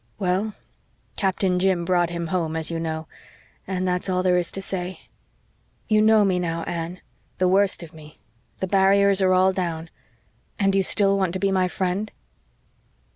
Well, Captain Jim brought him home, as you know and that's all there is to say. You know me now, Anne the worst of me the barriers are all down. And you still want to be my friend?"